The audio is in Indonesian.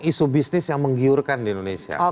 isu bisnis yang menggiurkan di indonesia